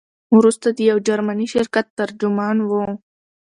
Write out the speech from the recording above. وروسته د یو جرمني شرکت ترجمان وو.